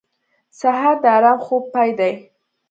سهار د ارام خوب پای دی.